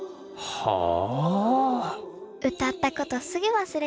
はあ。